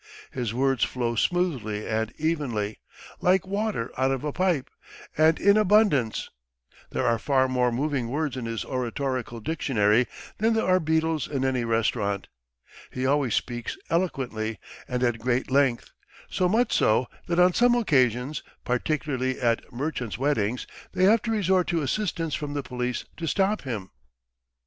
His words flow smoothly and evenly, like water out of a pipe, and in abundance; there are far more moving words in his oratorical dictionary than there are beetles in any restaurant. He always speaks eloquently and at great length, so much so that on some occasions, particularly at merchants' weddings, they have to resort to assistance from the police to stop him.